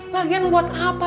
lagian buat apa